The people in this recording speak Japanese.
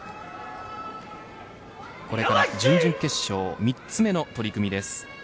これから準々決勝３つ目の取組です。